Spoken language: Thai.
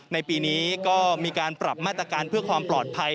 ในปีนี้ก็มีการปรับมาตรการเพื่อความปลอดภัย